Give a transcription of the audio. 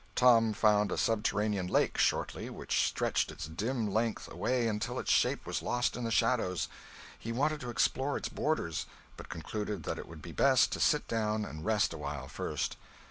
Tom found a subterranean lake, shortly, which stretched its dim length away until its shape was lost in the shadows. He wanted to explore its borders, but concluded that it would be best to sit down and rest awhile, first.